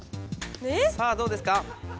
さあどうですか？